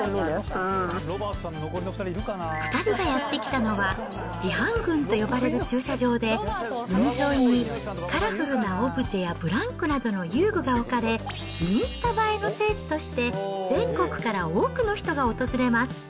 ２人がやって来たのは、ジハングンと呼ばれる駐車場で、海沿いにカラフルなオブジェやブランコなどの遊具が置かれ、インスタ映えの聖地として、全国から多くの人が訪れます。